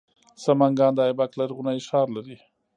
سمنګان د ایبک لرغونی ښار لري